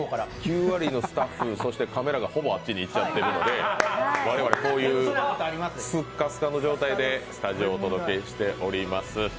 ９割のスタッフ、そしてほぼカメラが向こうに行ってしまっているので我々こういう、スッカスカの状態でスタジオお届けしています。